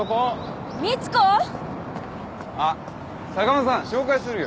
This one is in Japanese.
あっ坂間さん紹介するよ。